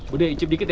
budaya icip dikit ya